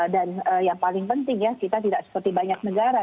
dan yang paling penting ya kita tidak seperti banyak negara